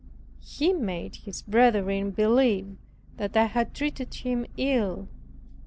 He made his brethren believe that I had treated him ill.